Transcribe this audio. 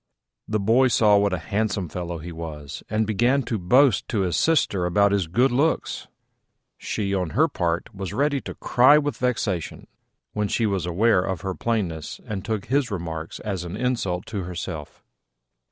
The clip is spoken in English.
The boy saw what a handsome fellow he was, and began to boast to his Sister about his good looks: she, on her part, was ready to cry with vexation when she was aware of her plainness, and took his remarks as an insult to herself.